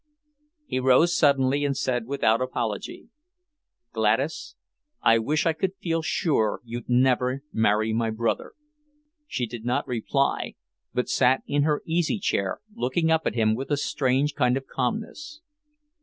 He rose suddenly and said without apology: "Gladys, I wish I could feel sure you'd never marry my brother." She did not reply, but sat in her easy chair, looking up at him with a strange kind of calmness.